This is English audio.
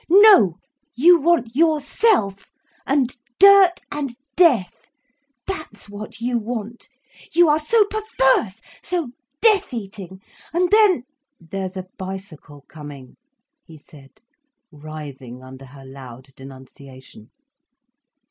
No, you want yourself, and dirt, and death—that's what you want. You are so perverse, so death eating. And then—" "There's a bicycle coming," he said, writhing under her loud denunciation.